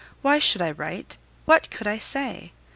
Why should I write? What could I say?